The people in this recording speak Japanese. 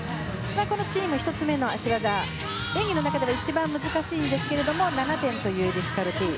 このチーム、１つ目の脚技演技の中では一番難しいんですが７点というディフィカルティー。